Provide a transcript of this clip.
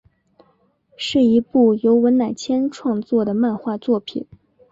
是一部由文乃千创作的漫画作品。